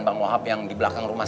bang mohab yang di belakang rumah